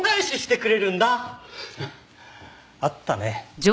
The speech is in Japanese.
あったね。